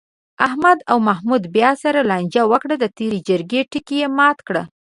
احمد او محمود بیا سره لانجه وکړه، د تېرې جرگې ټکی یې مات کړ.